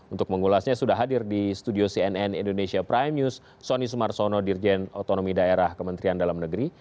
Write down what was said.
untuk mengulasnya sudah hadir di studio cnn indonesia prime news sony sumarsono dirjen otonomi daerah kementerian dalam negeri